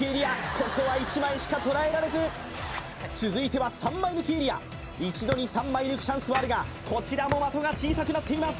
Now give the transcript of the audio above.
ここは１枚しかとらえられず続いては３枚抜きエリア一度に３枚抜くチャンスはあるがこちらも的が小さくなっています